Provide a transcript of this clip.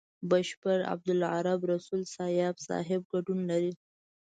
بشپړ عبدالرب رسول سياف صاحب ګډون لري.